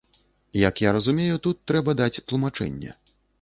Як я разумею, тут трэба даць тлумачэнне.